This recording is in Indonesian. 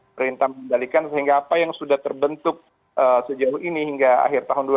perintah mengendalikan sehingga apa yang sudah terbentuk sejauh ini hingga akhir tahun dua ribu dua puluh